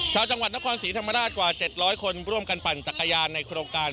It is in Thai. ชาวจังหวัดนครศรีธรรมราชกว่า๗๐๐คนร่วมกันปั่นจักรยานในโครงการ